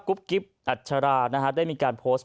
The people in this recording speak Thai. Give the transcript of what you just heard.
กุ๊บกิ๊บอัจฉรานะครับได้มีการโพสต์